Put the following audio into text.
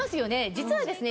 実はですね